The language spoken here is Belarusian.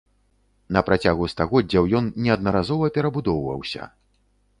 На працягу стагоддзяў ён неаднаразова перабудоўваўся.